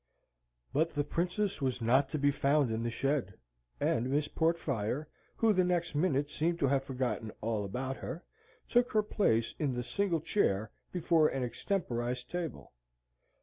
But the Princess was not to be found in the shed, and Miss Portfire, who the next minute seemed to have forgotten all about her, took her place in the single chair before an extemporized table.